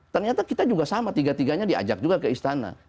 ternyata kita juga sama tiga tiganya diajak juga ke istana